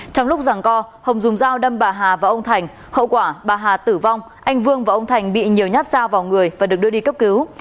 trong lúc rằng co hồng dùng dao đâm bà hà và ông thành hậu quả bà hà tử vong anh vương và ông thành bị nhiều nhát dao vào người và được đưa đi cấp cứu